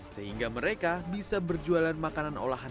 sehingga mereka bisa berjualan makanan olahan